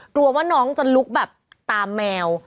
กลัวว่าน้องจะลุกแบบตามแมว